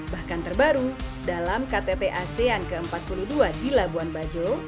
bahkan terbaru dalam ktt asean ke empat puluh dua di labuan bajo